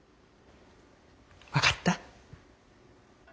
分かった？